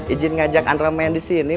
izin ngajak andra main disini